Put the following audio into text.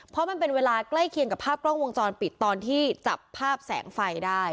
เพราะมันเป็นเวลาใกล้เคียงกับภาพกล้องวงจรปิดตอนที่จับภาพแสงไฟได้